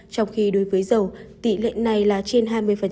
trong khi đối với dầu tỷ lệ này là trên hai mươi